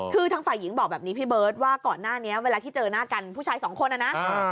คือทางฝ่ายหญิงบอกแบบนี้พี่เบิร์ตว่าก่อนหน้านี้เวลาที่เจอหน้ากันผู้ชายสองคนนะ